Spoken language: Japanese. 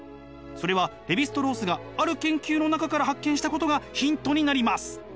それはレヴィ＝ストロースがある研究の中から発見したことがヒントになります。